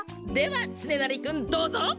ではつねなりくんどうぞ！